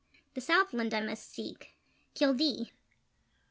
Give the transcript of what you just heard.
The southland I must seek Kildee!